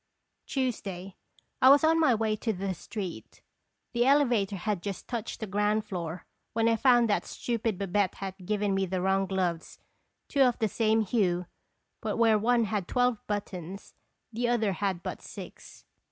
Tuesday, I was on my way to the street; the elevator had just touched the ground floor, when I found that stupid Babette had given me the wrong gloves, two of the same hue, but where one had twelve buttons the other had but six.